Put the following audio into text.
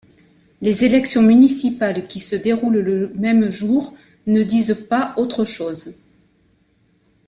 Les élections municipales qui se déroulent le même jour ne disent pas autre chose.